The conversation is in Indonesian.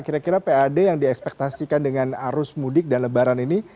kira kira pad yang diekspektasikan dengan arus mudik dan lebaran ini